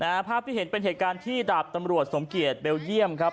ภาพที่เห็นเป็นเหตุการณ์ที่ดาบตำรวจสมเกียจเบลเยี่ยมครับ